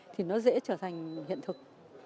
thì nó dễ trở thành hiện thực